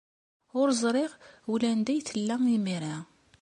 Ur ẓriɣ ula anda ay tella imir-a.